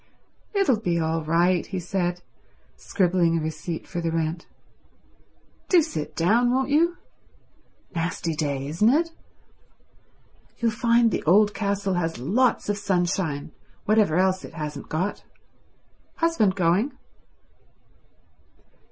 "It'll be all right," he said, scribbling a receipt for the rent. "Do sit down, won't you? Nasty day, isn't it? You'll find the old castle has lots of sunshine, whatever else it hasn't got. Husband going?"